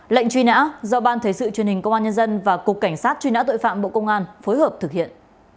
lệnh truy nã do ban thể sự truyền hình công an nhân dân và cục cảnh sát truy nã tội phạm bộ công an phối hợp thực hiện